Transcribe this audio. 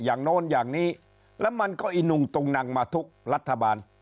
โน้นอย่างนี้แล้วมันก็อีนุงตุงนังมาทุกรัฐบาล